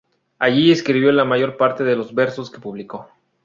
Allí escribió la mayor parte de los versos que publicó.